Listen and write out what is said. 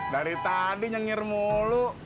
dari tadi nyengir mulu